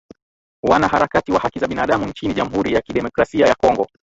wanaharakati wa haki za binadamu nchini jamhuri ya kidemokrasi ya kongo